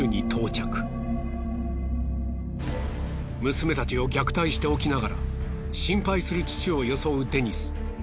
娘たちを虐待しておきながら心配する父を装うデニス。